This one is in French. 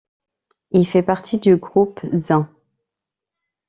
Il fait partie du groupe Zin.